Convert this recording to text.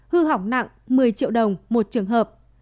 hư hỏng nặng một mươi triệu đồng một trường hợp